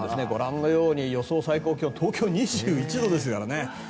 ご覧のように予想最高気温東京、２１度ですからね。